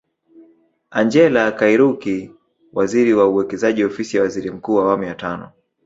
Angellah Kairuki waziri wa Uwekezaji Ofisi ya Waziri mkuu awamu ya tano